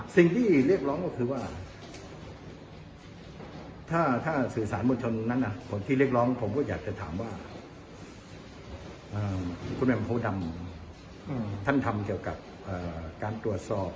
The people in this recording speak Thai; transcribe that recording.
สิ่งที่เรียกร้องคือว่าถ้าสื่อสารบอชนคุณท่านทำอย่างเกี่ยวกับการตรวจสอบ